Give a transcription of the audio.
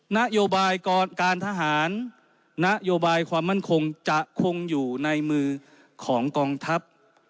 นโยบายการทหารนโยบายความมั่นคงจะคงอยู่ในมือของกองทัพ